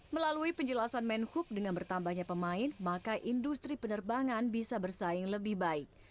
melalui penjelasan menhub dengan bertambahnya pemain maka industri penerbangan bisa bersaing lebih baik